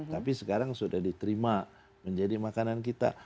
tapi sekarang sudah diterima menjadi makanan kita